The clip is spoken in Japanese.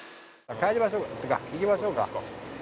帰りましょうか。というか、行きましょうか。